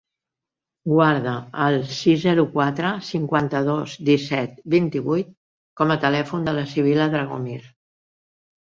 Guarda el sis, zero, quatre, cinquanta-dos, disset, vint-i-vuit com a telèfon de la Sibil·la Dragomir.